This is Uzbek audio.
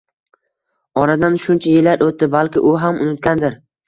Oradan shuncha yillar o'tdi, balki u ham unutgandir?